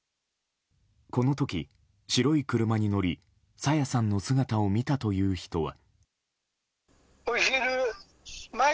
この時、白い車に乗り朝芽さんの姿を見たという人は。